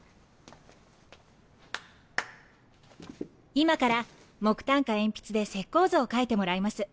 今から木炭か鉛筆で石膏像を描いてもらいます。